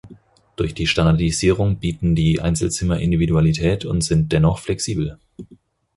Durch die Standardisierung bieten die Einzelzimmer Individualität und sind dennoch flexibel.